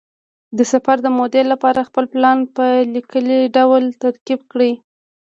د سفر د مودې لپاره خپل پلان په لیکلي ډول ترتیب کړه.